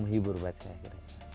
menghibur buat saya